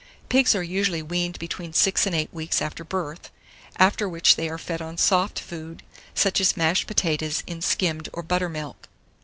Pigs are usually weaned between six and eight weeks after birth, after which they are fed on soft food, such as mashed potatoes in skimmed or butter milk.